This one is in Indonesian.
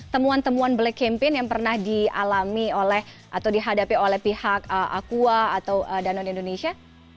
temuan temuan black campaign yang pernah dialami oleh atau dihadapi oleh pihak aqua atau danone indonesia